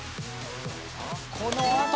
このあと。